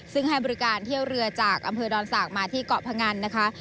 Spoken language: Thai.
ซึ่งให้บริการเที่ยวเรือจากอำเภอดอนศักดิ์มาที่เกาะพงันนะคะ